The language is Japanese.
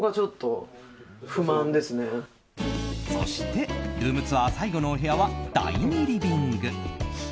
そしてルームツアー最後のお部屋は第２リビング。